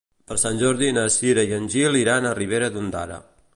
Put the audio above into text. Per Sant Jordi na Cira i en Gil iran a Ribera d'Ondara.